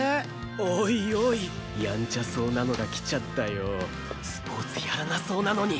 おいおいヤンチャそうなのが来ちゃったよスポーツやらなそうなのに